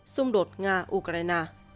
xung đột nga ukraine